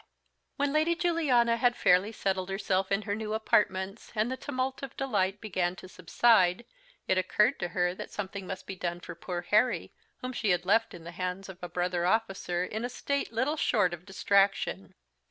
When Lady Juliana had fairly settled herself in her new apartments, and the tumult of delight began to subside, it occurred to her that something must be done for poor Harry, whom she had left in the hands of a brother officer, in a state little short of distraction.